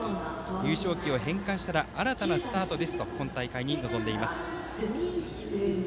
優勝旗を返還したら新たなスタートですと今大会に臨んでいます。